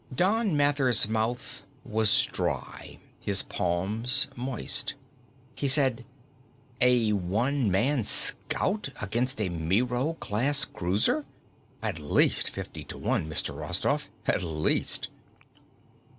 Don Mathers' mouth was dry, his palms moist. He said, "A One Man Scout against a Miro class cruiser? At least fifty to one, Mr. Rostoff. At least."